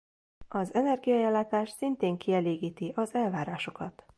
Az energiaellátás szintén kielégíti az elvárásokat.